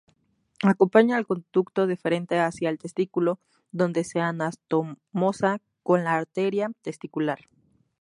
Acompaña al conducto deferente hacia el testículo, donde se anastomosa con la arteria testicular.